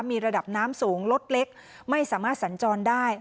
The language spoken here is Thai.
มีระดับน้ำสูงรถเล็กไม่สามารถสัญจรได้